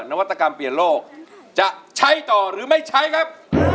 นวัตกรรมเปลี่ยนโลกจะใช้ต่อหรือไม่ใช้ครับ